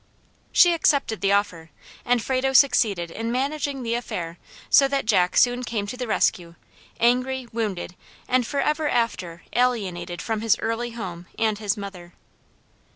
She accepted the offer, and Frado succeeded in managing the affair so that Jack soon came to the rescue, angry, wounded, and forever after alienated from his early home and his mother.